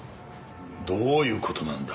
どういう事なんだ？